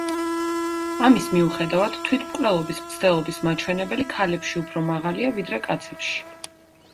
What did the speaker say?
ამის მიუხედავად, თვითმკვლელობის მცდელობის მაჩვენებელი ქალებში უფრო მაღალია, ვიდრე კაცებში.